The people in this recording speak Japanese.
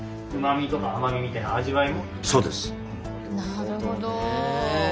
なるほど。